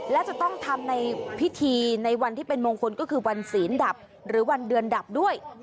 และจะต้องทำในพิธีในวันที่เป็นมงคลก็คือวันศีลดับหรือวันเดือนดับด้วย